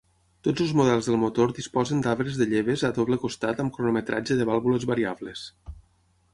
Tots els models del motor disposen d'arbres de lleves a doble costat amb cronometratge de vàlvules variables.